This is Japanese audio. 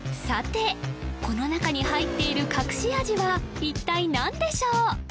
さてこの中に入っている隠し味は一体何でしょう？